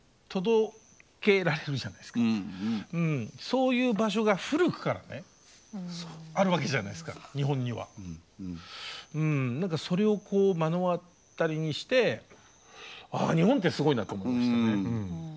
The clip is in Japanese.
そういう場所が古くからねあるわけじゃないですか日本には。何かそれを目の当たりにしてああ日本ってすごいなと思いましたね。